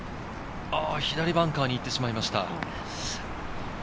左バンカーに行ってしまいました。